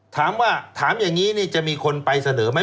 ถามว่าถามอย่างนี้จะมีคนไปเสนอไหม